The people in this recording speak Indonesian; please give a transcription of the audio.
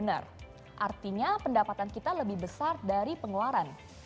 artinya pendapatan kita lebih besar dari pengeluaran